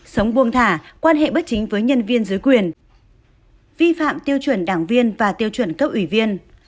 sống buông thả quan hệ bất chính với nhân viên dưới quyền vi phạm tiêu chuẩn đảng viên và tiêu chuẩn cấp ủy viên